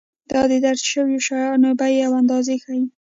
دا د درج شویو شیانو بیې او اندازې ښيي.